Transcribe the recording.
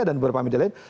dan beberapa media lain